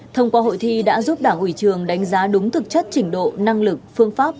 thông qua hội thi đã giúp đảng ủy trường đánh giá đúng thực chất trình độ năng lực phương pháp